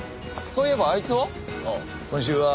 そういえばあいつは？